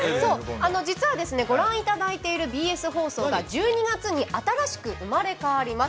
実はご覧いただいているＢＳ放送が１２月に新しく生まれ変わります。